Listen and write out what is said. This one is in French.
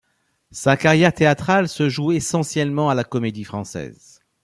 Sa carrière théâtrale se joue essentiellement à la Comédie-Française.